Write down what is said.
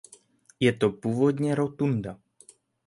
Je to původně rotunda.